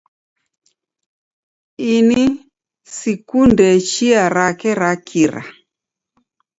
Ini sikunde chia rake ra kira.